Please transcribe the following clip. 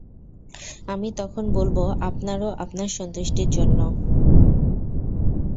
আমি তখন বলব, আপনার ও আপনার সন্তুষ্টির জন্য।